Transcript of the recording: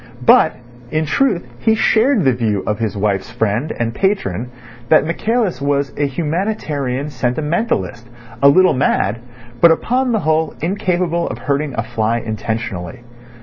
But, in truth, he shared the view of his wife's friend and patron that Michaelis was a humanitarian sentimentalist, a little mad, but upon the whole incapable of hurting a fly intentionally.